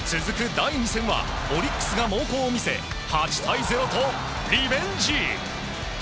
第２戦はオリックスが猛攻を見せ８対０とリベンジ！